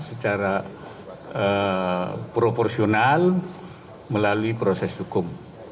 secara proporsional melalui proses hukum